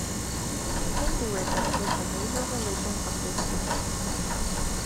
Hinduism is the major religion of this district.